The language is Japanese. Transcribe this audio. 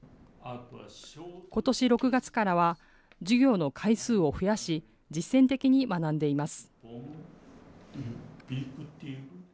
ことし６月からは、授業の回数を増やし、実践的に学んでいます。